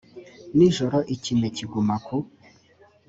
nijoro ikime kiguma ku